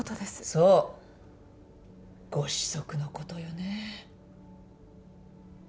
そうご子息のことよね。